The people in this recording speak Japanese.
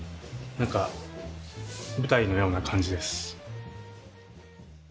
何か舞台のような感じです。